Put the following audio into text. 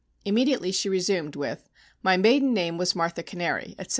Immediately she resumed with "My maiden name was Martha Cannary, etc."...